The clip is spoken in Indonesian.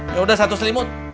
yaudah satu selimut